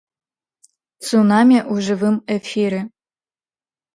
Цунамі ў жывым эфіры.